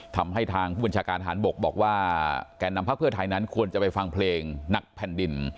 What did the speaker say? ทางผู้บัญชาการฐานบกบอกว่าแก่นำพักเพื่อไทยนั้นควรจะไปฟังเพลงหนักแผ่นดิน